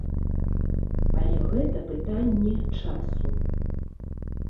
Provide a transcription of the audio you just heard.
Але гэта пытанне часу.